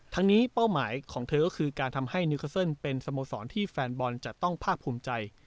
ทั้งนี้เป้าหมายของเธอก็คือการทำให้แฟนบอลนิวเคอร์เซินเป็นสโมสรที่แฟนบอลนิวเคอร์เซินจะต้องภาคภูมิใจ